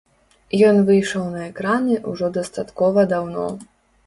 Ён выйшаў на экраны ўжо дастаткова даўно.